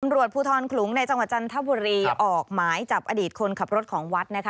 ตำรวจภูทรขลุงในจังหวัดจันทบุรีออกหมายจับอดีตคนขับรถของวัดนะคะ